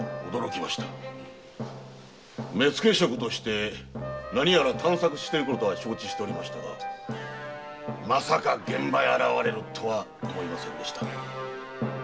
目付職として何やら探索していたことは知っておりましたがまさか現場へ現れるとは思いませんでした。